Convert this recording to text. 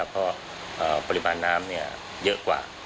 เพราะปริมาณน้ำเยอะกว่า